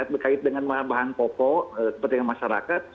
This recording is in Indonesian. berkait dengan bahan bahan pokok seperti yang masyarakat